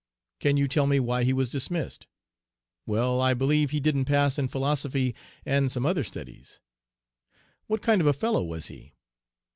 "'Can you tell me why he was dismissed?' "'Well, I believe he didn't pass in philosophy and some other studies.' "'What kind of a fellow was he?'